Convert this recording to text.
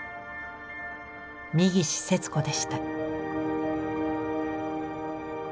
三岸節子でした。